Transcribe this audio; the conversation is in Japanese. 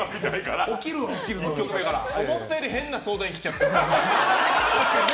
思ったより変な相談員が来ちゃったな。